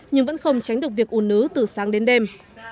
nhưng vẫn không tránh được việc ủ nứ từ sáng đến đêm